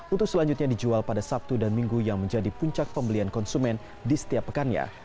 untuk selanjutnya dijual pada sabtu dan minggu yang menjadi puncak pembelian konsumen di setiap pekannya